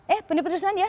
eh penutup keputusan ya